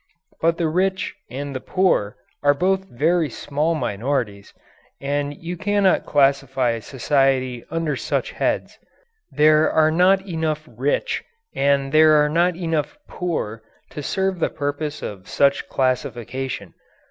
But the "rich" and the "poor" are both very small minorities, and you cannot classify society under such heads. There are not enough "rich" and there are not enough "poor" to serve the purpose of such classification.